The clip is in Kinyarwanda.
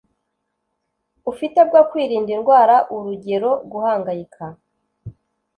ufite bwo kwirinda indwara Urugero guhangayika